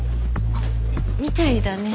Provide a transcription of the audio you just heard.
あっみたいだね。